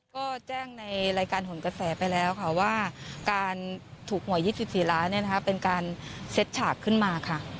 ก็แจ้งในรายการหนกระแสไปแล้วค่ะว่าการถูกหวย๒๔ล้านเป็นการเซ็ตฉากขึ้นมาค่ะ